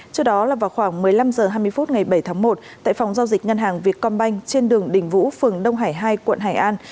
trước đó là vào khoảng một mươi năm h hai mươi phút ngày bảy tháng một tại phòng giao dịch ngân hàng việt công banh trên đường đình vũ phường đông hải hai quận hải an